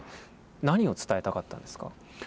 何を伝えたかったんですか？